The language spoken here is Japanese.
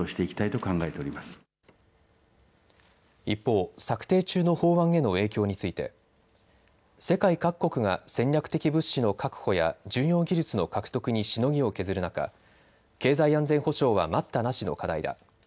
一方、策定中の法案への影響について世界各国が戦略的物資の確保や重要技術の獲得にしのぎを削る中、経済安全保障は待ったなしの課題だ。